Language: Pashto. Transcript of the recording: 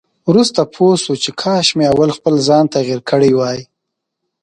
وروسته پوه شو چې کاش مې اول خپل ځان تغيير کړی وای.